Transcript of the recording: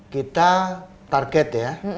kita target ya